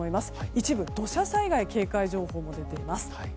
一部、土砂災害警戒情報も出ています。